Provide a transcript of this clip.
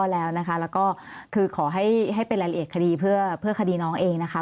แล้วนะคะแล้วก็คือขอให้ให้เป็นรายละเอียดคดีเพื่อเพื่อคดีน้องเองนะคะ